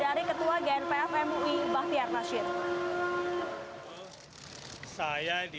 dan berikut statement dari ketua gnpf mui bahtiar nasir